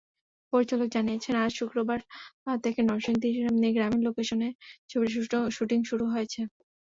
পরিচালক জানিয়েছেন, আজ শুক্রবার থেকে নরসিংদীর গ্রামীণ লোকেশনে ছবিটির শুটিং শুরু হয়েছে।